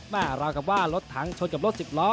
ราวกับว่ารถถังชนกับรถสิบล้อ